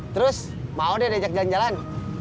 terus mau deh diajak jalan jalan